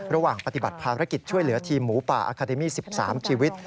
ระหว่างปฏิบัติภารกิจช่วยเหลือทีมหมูป่าอาคาเดมี่๑๓ชีวิต